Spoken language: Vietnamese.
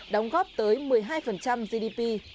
đóng góp tới một mươi hai gdp